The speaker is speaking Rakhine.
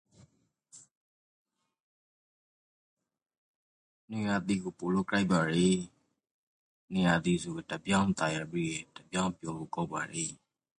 နီရာသီကိုပိုလို့ကြိုက်ပါရေ။နွီရာသီဆိုကေတပျင်းသာယာပြီးကေတပျင်းပျော်ဖို့ကောင်းပါရေ